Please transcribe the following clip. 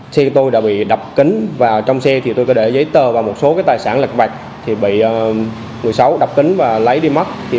xe tôi đã bị đập kính và trong xe tôi có để giấy tờ và một số tài sản lạc vạch bị người xấu đập kính và lấy đi mất